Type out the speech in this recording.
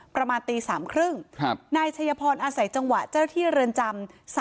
ประมาณตีสามครึ่งครับนายชัยพรอาศัยจำวะเจ้าหน้าที่เรือนจำ